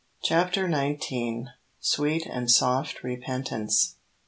CHAPTER XIX SWEET AND SOFT REPENTANCE.